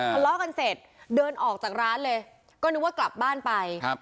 ทะเลาะกันเสร็จเดินออกจากร้านเลยก็นึกว่ากลับบ้านไปครับ